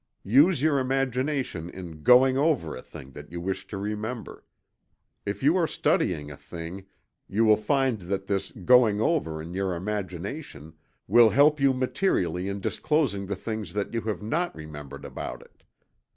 Use your imagination in "going over" a thing that you wish to remember. If you are studying a thing, you will find that this "going over" in your imagination will help you materially in disclosing the things that you have not remembered about it.